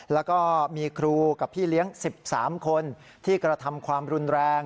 แล้วก็มีครูกับพี่เลี้ยง๑๓คนที่กระทำความรุนแรง